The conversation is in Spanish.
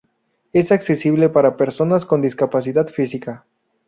Es accesible para personas con discapacidad física.